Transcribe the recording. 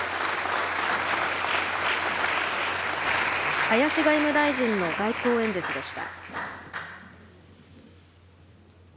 林外務大臣の外交演説でした。